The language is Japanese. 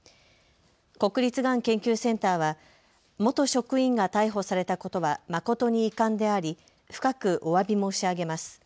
国立がん研究センターは元職員が逮捕されたことは誠に遺憾であり深くおわび申し上げます。